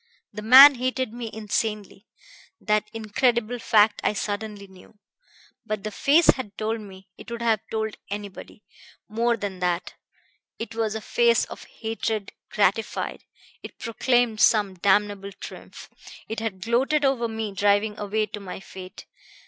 The man hated me insanely. That incredible fact I suddenly knew. But the face had told me it would have told anybody more than that. It was a face of hatred gratified, it proclaimed some damnable triumph. It had gloated over me driving away to my fate.